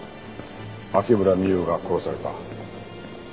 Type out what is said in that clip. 牧村美優が殺された。